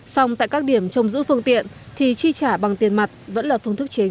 xong tại các điểm trông giữ phương tiện thì chi trả bằng tiền mặt vẫn là phương thức chính